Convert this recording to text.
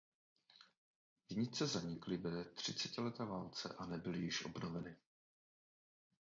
Vinice zanikly ve třicetileté válce a nebyly již obnoveny.